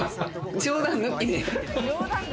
冗談抜きで。